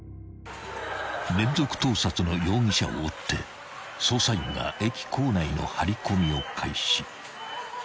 ［連続盗撮の容疑者を追って捜査員が駅構内の張り込みを開始］